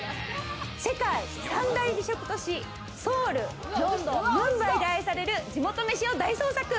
世界三大美食都市、ソウル・ロンドン・ムンバイで愛される地元飯を大捜索。